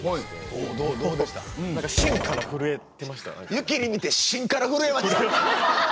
ゆきりん見て芯から震えました。